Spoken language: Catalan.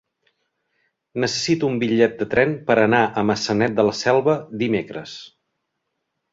Necessito un bitllet de tren per anar a Maçanet de la Selva dimecres.